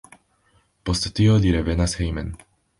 Post tio li revenas hejmen.